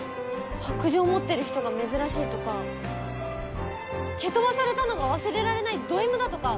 白杖持ってる人が珍しいとか蹴飛ばされたのが忘れられないドＭだとか。